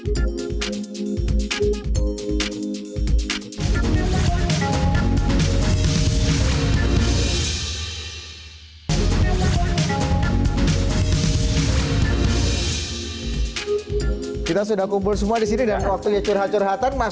kita sudah kumpul semua di sini dan waktunya curhat curhatan